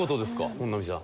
本並さん。